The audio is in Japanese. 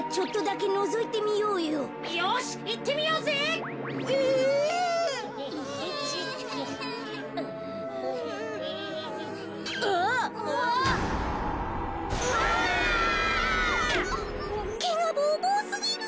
けがボーボーすぎる。